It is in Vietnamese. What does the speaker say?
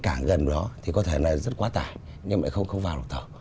cái cảng gần đó thì có thể là rất quá tải nhưng mà không vào được thật